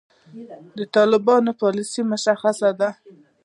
د طالبانو پالیسي مشخصه ده.